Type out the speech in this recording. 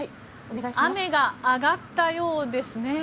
雨が上がったようですね。